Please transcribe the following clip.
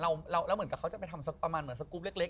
แล้วเหมือนกับเขาจะไปทำสักประมาณเหมือนสกรูปเล็ก